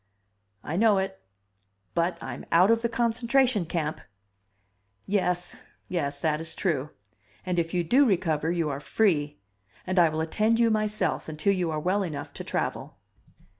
"I know it but I'm out of the concentration camp!" "Yes. Yes, that is true. And if you do recover, you are free. And I will attend you myself, until you are well enough to travel."